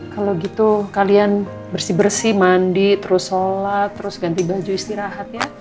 kalau gitu kalian bersih bersih mandi terus sholat terus ganti baju istirahat ya